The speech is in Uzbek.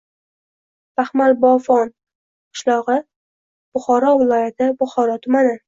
Baxmalbofon - q., Buxoro viloyati Buxoro tumani.